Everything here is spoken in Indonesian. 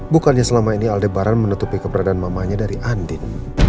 bukannya selama ini aldebaran menutupi keberadaan mamanya dari andin